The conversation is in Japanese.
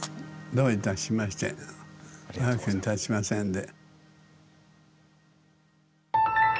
どういたしましてお役に立ちませんで。